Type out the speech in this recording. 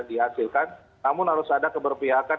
dihasilkan namun harus ada keberpihakan